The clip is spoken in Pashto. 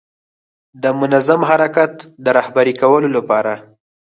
د منظم حرکت د رهبري کولو لپاره.